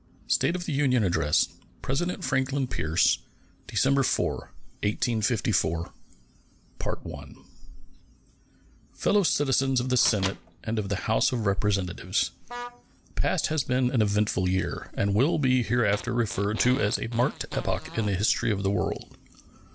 State of the Union Address Franklin Pierce December 4, 1854 Fellow Citizens of the Senate and of the House of Representatives: The past has been an eventful year, and will be hereafter referred to as a marked epoch in the history of the world.